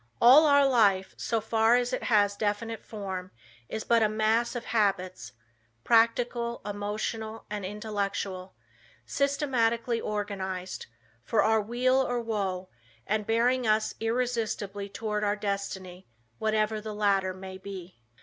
"All our life, so far as it has definite form, is but a mass of habits practical, emotional, and intellectual systematically organized, for our weal or woe, and bearing us irresistibly toward our destiny whatever the latter may be."